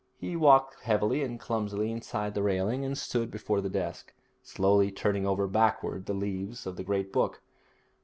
He walked heavily and clumsily inside the railing, and stood before the desk, slowly turning over backward the leaves of the great book.